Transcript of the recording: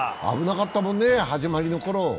危なかったもんね、始まりのころ。